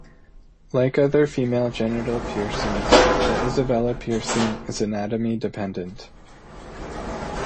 Like other female genital piercings, the Isabella piercing is anatomy-dependent.